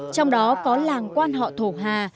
trong đó có làng quan họ thổ hà